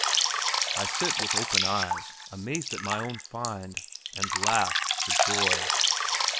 I sit with open eyes, amazed at my own find, and laugh for joy.